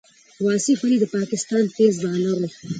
واصف علي د پاکستان تېز بالر وو.